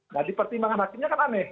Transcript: nah dipertimbangkan hakimnya kan aneh